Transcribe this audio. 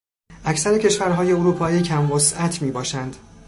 اکثر کشورهای اروپایی کم وسعت میباشند.